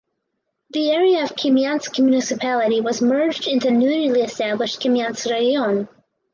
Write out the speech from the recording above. The area of Kamianske Municipality was merged into the newly established Kamianske Raion.